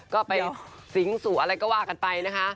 ก็ไปสิงสู่อะไรก็ว่ากันไปนะคะ